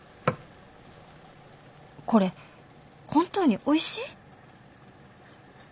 これ本当においしい？